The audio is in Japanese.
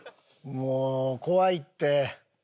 もう怖いって。